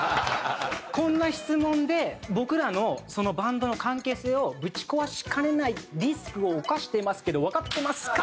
こんな質問で僕らのバンドの関係性をぶち壊しかねないリスクを冒してますけどわかってますか？